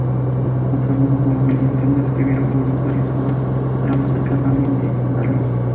Los hermanos Manuel y Antonio escribieron juntos varias obras dramáticas de ambiente andaluz.